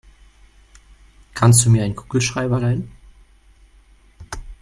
Kannst du mir einen Kugelschreiber leihen?